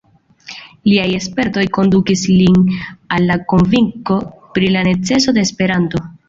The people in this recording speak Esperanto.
Liaj spertoj kondukis lin al la konvinko pri la neceso de Esperanto.